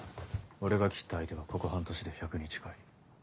俺が斬った相手はここ半年で１００に近い。